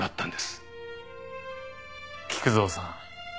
菊蔵さん。